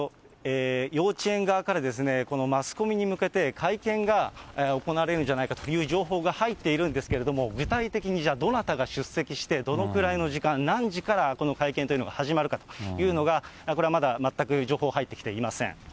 幼稚園側からマスコミに向けて会見が行われるんじゃないかという情報が入っているんですけれども、具体的に、じゃあ、どなたが出席して、どのくらいの時間、何時からこの会見というのが始まるかというのが、これはまだ、全く情報、入ってきていません。